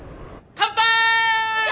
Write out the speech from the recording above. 乾杯！